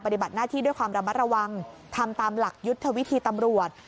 ปฏิบัติหน้าที่ด้วยความระมัดระวังทำตามหลักยุทธวิธีตำรวจ